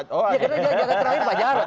ya jatah terakhir pak jarod